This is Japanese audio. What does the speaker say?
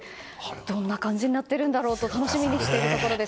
どんな感じになっているんだろうと楽しみにしているところです。